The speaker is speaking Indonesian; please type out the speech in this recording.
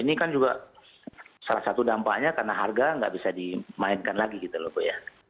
ini kan juga salah satu dampaknya karena harga nggak bisa dimainkan lagi gitu loh bu ya